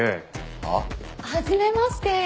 はあ？はじめまして。